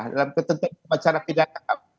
dalam ketentuan acara pidana